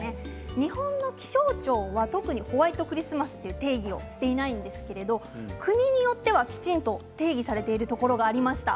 日本の気象庁は特にホワイトクリスマスという定義をしていないんですけど国によってはきちんと定義されているところがありました。